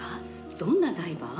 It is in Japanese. どんなダイバー？